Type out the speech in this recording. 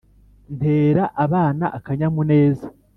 Ntera abana akanyamuneza